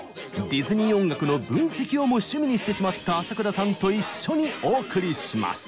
ディズニー音楽の分析をも趣味にしてしまった浅倉さんと一緒にお送りします。